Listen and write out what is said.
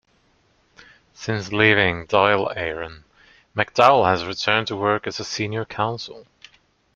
Since leaving Dáil Éireann, McDowell has returned to work as a Senior Counsel.